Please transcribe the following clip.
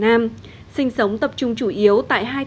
vẫn đang từng ngày thách thức với thời gian